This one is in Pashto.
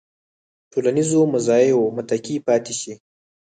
ټولنیزو مزایاوو متکي پاتې شي.